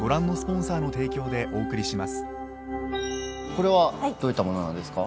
これはどういったものなんですか？